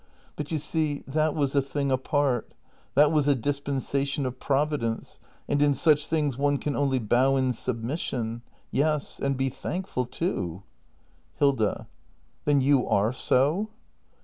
But, you see, that was a thing apart. That was a dispensation of Providence; and in such things one can only bow in submission — yes, and be thankful, too. Hilda. Then you are so